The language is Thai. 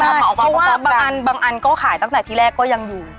ไม่เพราะว่าบางอันก็ขายตั้งแต่ที่แรกก็ยังอยู่